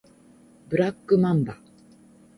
ブラックマンバ